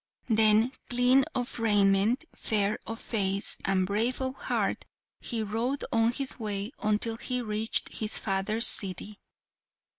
Then, clean of raiment, fair of face, and brave of heart, he rode on his way until he reached his father's city.